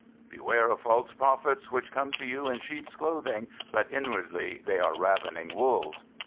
"Beware of false prophets, which come to you in sheep's clothing, but inwardly they are ravening wolves."